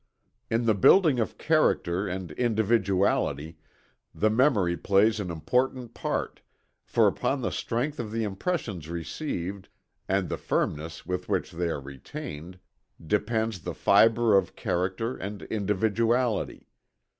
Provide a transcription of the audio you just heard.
In the building of character and individuality, the memory plays an important part, for upon the strength of the impressions received, and the firmness with which they are retained, depends the fibre of character and individuality.